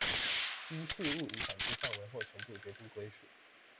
依事務影響之範圍或程度決定歸屬